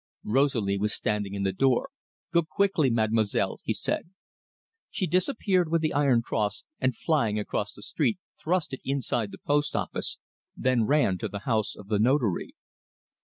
Rosalie was standing in the door. "Go quickly, Mademoiselle," he said. She disappeared with the iron cross, and flying across the street, thrust it inside the post office, then ran to the house of the Notary.